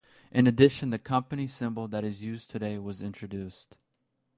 In addition, the company symbol that is used today was introduced.